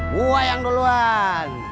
gua yang duluan